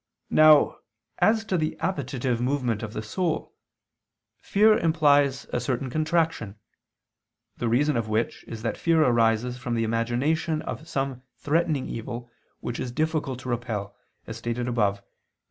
Now, as to the appetitive movement of the soul, fear implies a certain contraction: the reason of which is that fear arises from the imagination of some threatening evil which is difficult to repel, as stated above (Q.